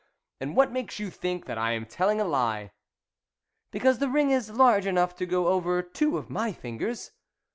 " And what makes you think that I am telling a lie." " Because the ring is large enough to go over two of my fingers."